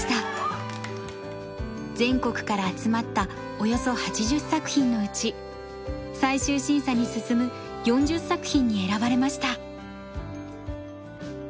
全国から集まったおよそ８０作品のうち最終審査に進む４０作品に選ばれました。